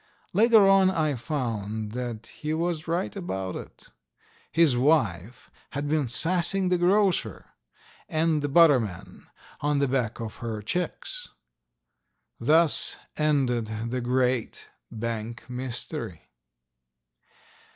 Later on I found that he was right about it. His wife had been sassing the grocer and the butter man on the back of her checks. Thus ended the great bank mystery.